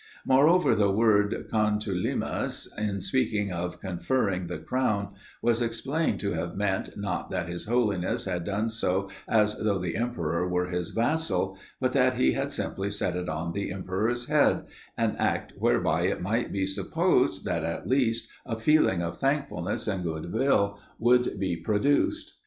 Moreover, the word "contulimus" in speaking of "conferring" the crown, was explained to have meant, not that his Holiness had done so as though the emperor were his vassal, but that he had simply set it on the emperor's head; an act whereby it might be supposed that, at least, a feeling of thankfulness and goodwill would be produced.